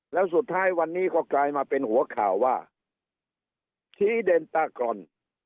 แล้วสุดท้ายวันนี้ก็กลายมาเป็นหัวข่าวว่าชี้เดนตากรอน